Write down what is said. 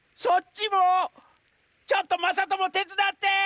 ちょっとまさともてつだって！